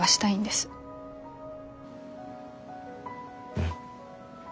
うん。